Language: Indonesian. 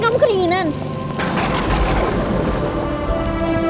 tidak saya sendiri yang memperbaiki ini